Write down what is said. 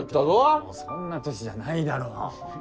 もうそんな年じゃないだろ。